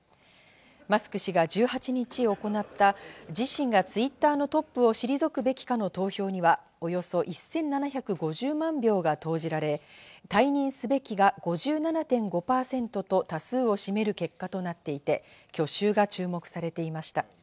マスク氏が１８日行った、自身がＴｗｉｔｔｅｒのトップを退くべきかの投票にはおよそ１７５０万票が投じられ、退任すべきが５７．５％と多数を占める結果となっていて、去就が注目されていました。